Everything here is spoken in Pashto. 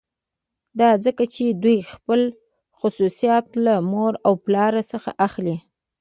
دا ځکه چې دوی خپل خصوصیات له مور او پلار څخه اخلي